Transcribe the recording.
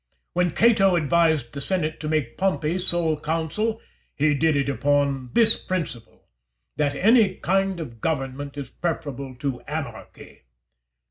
When Cato advised the senate to make Pompey sole consul, he did it upon this principle, that any kind of government is preferable to anarchy.